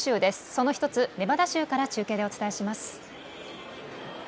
その１つ、ネバダ州から中継でお伝えします。